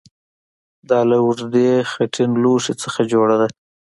دا له اوږدې خټین لوښي څخه جوړه ده